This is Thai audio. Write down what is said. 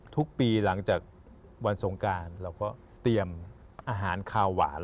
ทุกปีหลังจากวันสงการเราก็เตรียมอาหารคาวหวาน